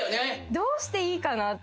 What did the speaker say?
どうしていいかなって。